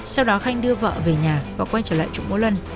sau đó khanh đưa vợ về nhà và quay trở lại chủ múa lân